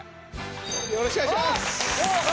よろしくお願いします！